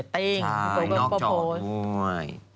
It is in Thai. ใช่นอกจอกด้วย